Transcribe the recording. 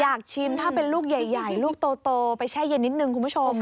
อยากชิมถ้าเป็นลูกใหญ่ลูกโตไปแช่เย็นนิดนึงคุณผู้ชม